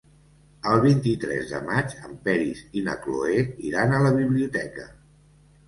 El vint-i-tres de maig en Peris i na Cloè iran a la biblioteca.